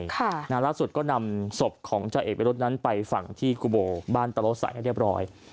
ลักษณะสุดก็นำศพของจาเอกเบรุฑนั้นไปฝั่งที่กุโบบ้านตลอดสัยได้เรียบร้อย